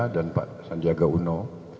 dan pak sanjaga uno